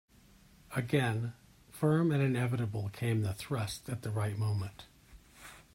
Again, firm and inevitable came the thrust at the right moment.